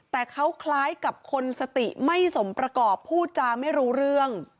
แต่เขาคล้ายกับคนสติไม่สมประกอบพูดจาไม่รู้เรื่อง